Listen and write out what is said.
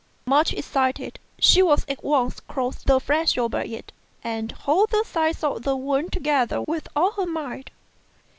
Much excited, she at once closed the flesh over it, and held the sides of the wound together with all her might.